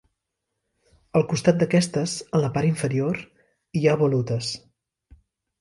Al costat d'aquestes, en la part inferior, hi ha volutes.